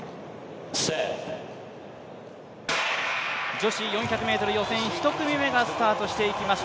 女子４００ｍ予選１組目がスタートしていきます。